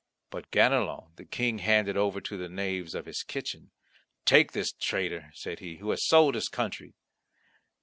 But Ganelon the King handed over to the knaves of his kitchen. "Take this traitor," said he, "who has sold his country."